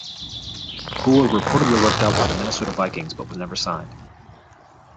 Bua reportedly worked out with the Minnesota Vikings, but was never signed.